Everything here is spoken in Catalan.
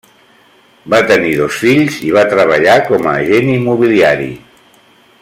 Va tenir dos fills i va treballar com a agent immobiliari.